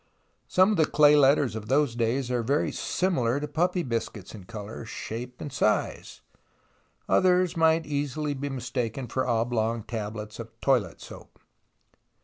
Some of the clay letters of those days are very similar to puppy biscuits in colour, shape and size ; others might easily be mistaken for oblong tablets of toilet soap.